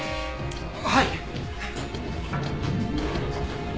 はい。